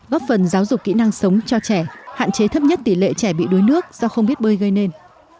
góp phần giáo dục kỹ năng sống cho trẻ hạn chế thấp nhất tỷ lệ trẻ bị đuối nước do không biết bơi gây nên